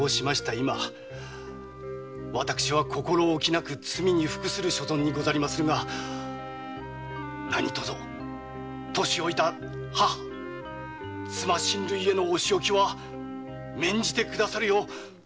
今私は心おきなく罪に服する所存にござりまするが何とぞ年老いた母妻親類へのお仕置きは免じて下さるよう切にお願い致しまする。